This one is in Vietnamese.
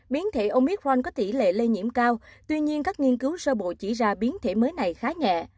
biến thể omitrank có tỷ lệ lây nhiễm cao tuy nhiên các nghiên cứu sơ bộ chỉ ra biến thể mới này khá nhẹ